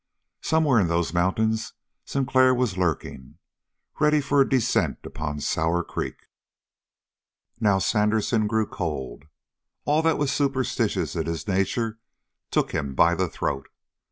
Somewhere in those mountains Sinclair was lurking, ready for a descent upon Sour Creek. Now Sandersen grew cold. All that was superstitious in his nature took him by the throat.